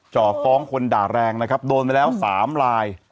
จ่อฟ้องคนด่าแรงนะครับโดนไปแล้ว๓ลาย